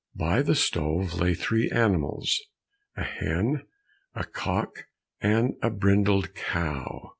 By the stove lay three animals, a hen, a cock, and a brindled cow.